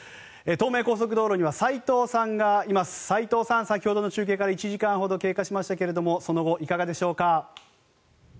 東名高速道路には齋藤さんがいます齋藤さん、先ほどの中継から１時間ほど経過しましたがその後、いかがでしょうか？